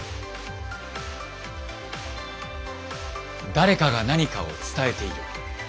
誰かが何かを伝えている。